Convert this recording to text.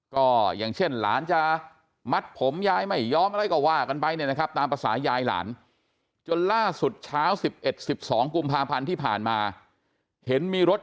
ก็อย่างเช่นหลานจะมัดผมยายไม่ยอมอะไรก็ว่ากันไปเนี่ยนะครับตามภาษายายหลานจนล่าสุดเช้า๑๑๑๒กุมภาพันธ์ที่ผ่านมาเห็นมีรถ